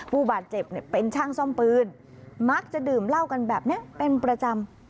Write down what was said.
ผู้บาดเจ็บเนี่ยเป็นช่างซ่อมปืนมักจะดื่มเหล้ากันแบบนี้เป็นประจำ